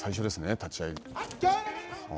立ち合い。